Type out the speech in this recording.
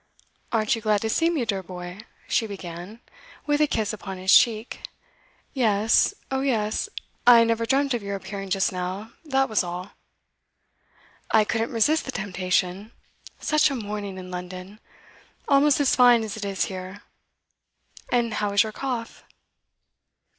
'Aren't you glad to see me, dear boy?' she began, with a kiss upon his cheek. 'Yes oh yes. I never dreamt of your appearing just now, that was all.' 'I couldn't resist the temptation. Such a morning in London! Almost as fine as it is here. And how is your cough?